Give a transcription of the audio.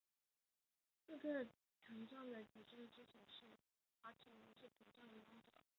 四个强壮的鳍状肢显示滑齿龙是强壮的游泳者。